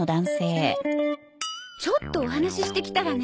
ちょっとお話ししてきたらね